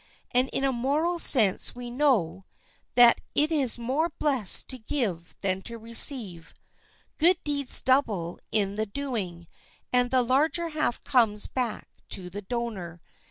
And in a moral sense we know "that it is more blessed to give than to receive." Good deeds double in the doing, and the larger half comes back to the donor.